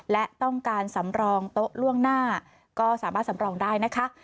และต้องการสำรองโต๊ะล่วงหน้าก็สามารถสำรองได้นะคะ